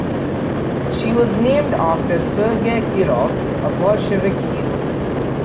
She was named after Sergey Kirov, a Bolshevik hero.